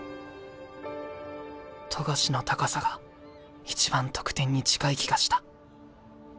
冨樫の高さが一番得点に近い気がした。